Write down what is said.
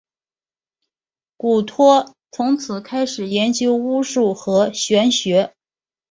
古托从此开始研究巫术和玄学。